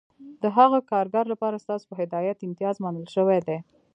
د هغه کارګر لپاره ستاسو په هدایت امتیاز منل شوی دی